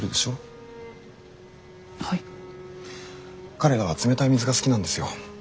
彼らは冷たい水が好きなんですよ。